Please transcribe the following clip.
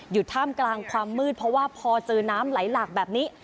ท่ามกลางความมืดเพราะว่าพอเจอน้ำไหลหลากแบบนี้